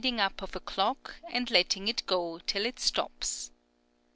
m ing up of a clock and letting it go till it stops.